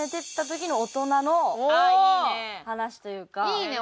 いいね！